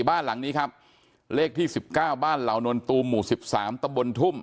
บ้านหลังนี้ครับเลขที่๑๙บ้านเหล่านนตูมหมู่สิบสามตะบนทุ่ม